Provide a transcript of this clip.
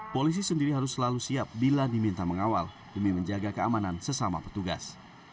polisi sendiri harus selalu siap bila diminta mengawal demi menjaga keamanan sesama petugas